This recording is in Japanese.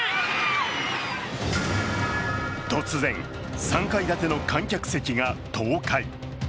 突然、３階建ての観客席が倒壊。